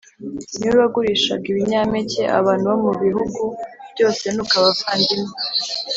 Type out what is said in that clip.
ni we wagurishaga ibinyampeke abantu bo mu bihugu byose Nuko abavandimwe